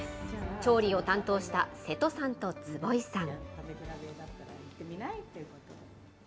調理を担当した瀬戸さんと坪井さん。